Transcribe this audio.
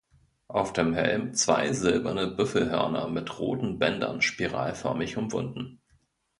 Auf dem Helm zwei silberne Büffelhörner mit roten Bändern spiralförmig umwunden.